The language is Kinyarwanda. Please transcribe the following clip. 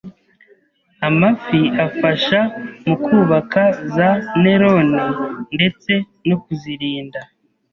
amafi afasha mu kubaka za nerone ndetse no kuzirinda